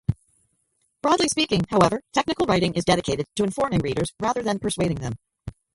Broadly speaking, however, technical writing is dedicated to informing readers rather than persuading them.